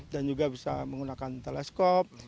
dan juga bisa menggunakan teleskop